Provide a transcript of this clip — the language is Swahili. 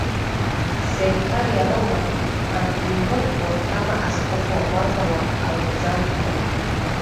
serikali ya Roma Anakumbukwa kama Askofu wa kwanza wa Aleksandria